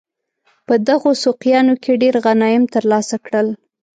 په دغو سوقیانو کې ډېر غنایم ترلاسه کړل.